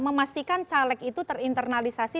memastikan caleg itu terinternalisasi